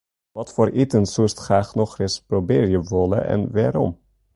Watfoar iten soest graach nochris probearje wolle en wêrom?